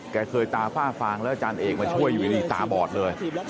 แกเคยตาฝ้าฟางแล้วอาจารย์เอกมาช่วยอยู่ดีตาบอดเลย